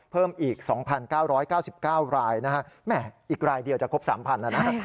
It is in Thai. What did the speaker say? เพิ่มอีก๒๙๙๙รายนะฮะแหมอีกรายเดียวจะครบ๓๐๐นะนะ